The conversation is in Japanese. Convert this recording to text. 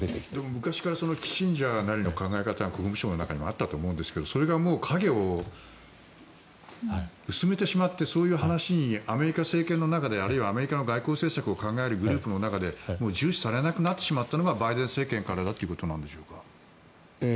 昔からキッシンジャーなりの考え方が国務省内にもあったと思うんですけどそれが影を薄めてしまってそういう話にアメリカ政権の中であるいはアメリカの外交政策を考えるグループの中で重視されなくなってしまったのがバイデン政権からだということなんでしょうか。